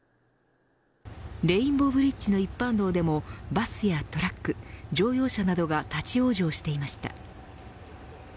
レインボーブリッジの一般道でもバスやトラック、乗用車などが立ち往生していました。